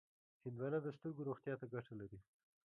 هندوانه د سترګو روغتیا ته ګټه لري.